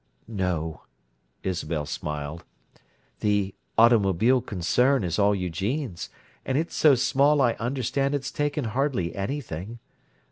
"No," Isabel smiled. "The 'automobile concern' is all Eugene's, and it's so small I understand it's taken hardly anything.